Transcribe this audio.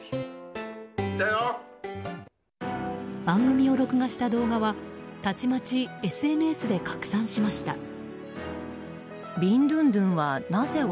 番組を録画した動画はたちまちＳＮＳで拡散しました。